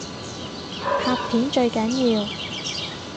拍片最緊要